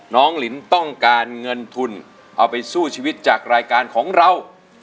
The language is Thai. ลินต้องการเงินทุนเอาไปสู้ชีวิตจากรายการของเรา